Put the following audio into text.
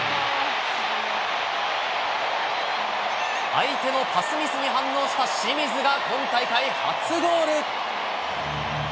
相手のパスミスに反応した清水が今大会初ゴール。